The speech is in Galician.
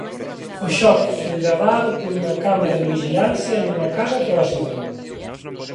O choque foi gravado por unha cámara de vixilancia nunha casa próxima.